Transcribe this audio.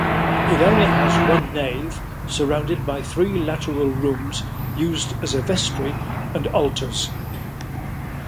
It only has one nave, surrounded by three lateral rooms used as a vestry and altars.